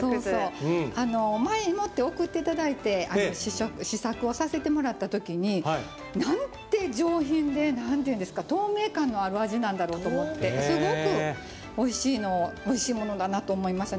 前もって送っていただいて試作をさせていただいたときになんて上品で透明感のある味なんだろうと思ってすごくおいしいものだなと思いましたね。